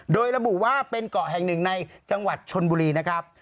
โดยระบุว่าเป็นเกาะแห่งหนึ่งในจังหวัดชนบุรีนะครับ